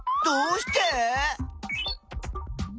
どうして！？